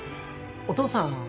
お父さん